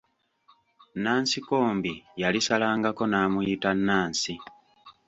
Nansikombi yalisalangako n'amuyita Nansi.